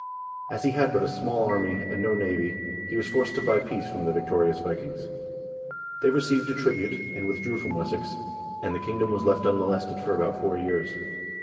As he had but a small army, and no navy, he was forced to buy peace from the victorious Vikings. They received a tribute, and withdrew from Wessex, and the kingdom was left unmolested for about four years.